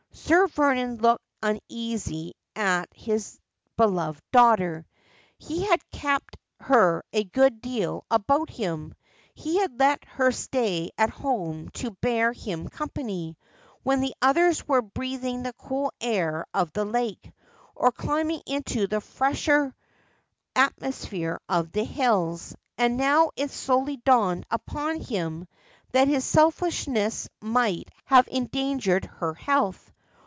Sir Vernon looked uneasily at his beloved daughter. He had kept her a good deal about him ; he had let her stay at home to bear him company, when the others were breathing the cool air of the lake, or climbing into the fresher atmosphere of the hills ; and now it slowly dawned upon him that his selfishness might have endangered her health.